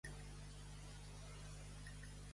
I què rumià l'andalús?